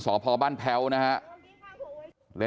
สพบ้านแพ้วนะครับ